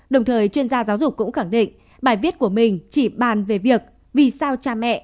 đồng thời chuyên gia giáo dục cũng khẳng định bài viết của mình chỉ bàn về việc vì sao cha mẹ